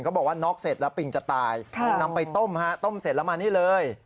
บอกว่าน็อกเสร็จแล้วปิงจะตายนำไปต้มฮะต้มเสร็จแล้วมานี่เลย